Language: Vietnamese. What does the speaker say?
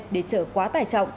để chở quá tải trọng